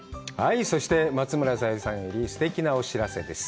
そして、松村沙友理さんよりすてきなお知らせです。